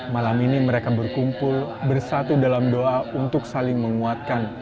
malam ini mereka berkumpul bersatu dalam doa untuk saling menguatkan